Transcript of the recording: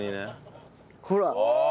ほら！